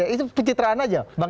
itu pencitraan aja